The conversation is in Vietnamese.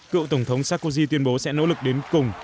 cựu tổng thống sarkozy tuyên bố sẽ nỗ lực đến cùng